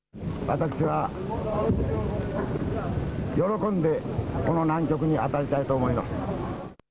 私は喜んでこの難局に当たりたいと思います。